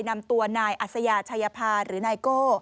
นำตัวนายอัศยาชัยภาหรือนายโก้